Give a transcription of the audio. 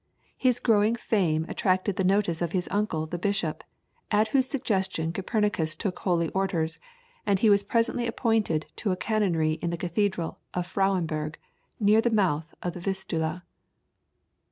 His growing fame attracted the notice of his uncle the bishop, at whose suggestion Copernicus took holy orders, and he was presently appointed to a canonry in the cathedral of Frauenburg, near the mouth of the Vistula.